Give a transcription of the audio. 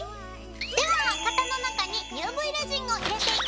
では型の中にＵＶレジンを入れていきます。